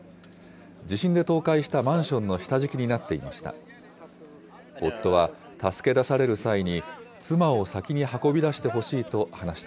地震で倒壊したマンションの下敷きになっていました。